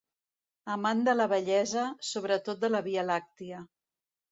Amant de la bellesa, sobretot de la via làctia.